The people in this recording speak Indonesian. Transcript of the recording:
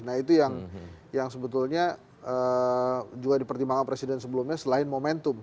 nah itu yang sebetulnya juga dipertimbangkan presiden sebelumnya selain momentum